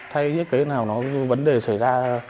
thay cái nào vấn đề xảy ra